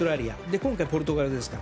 今回、ポルトガルですから。